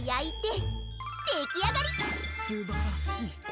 すばらしい！